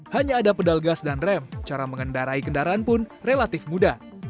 hanya ada pedal gas dan rem cara mengendarai kendaraan pun relatif mudah